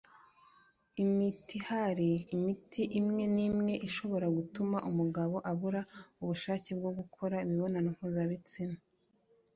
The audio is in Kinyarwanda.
ImitiHari imiti imwe n’imwe ishobora gutuma umugabo abura ubushake bwo gukora imibonano mpuzabitsina